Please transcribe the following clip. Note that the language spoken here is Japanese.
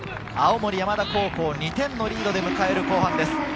青森山田高校、２点のリードで迎える後半です。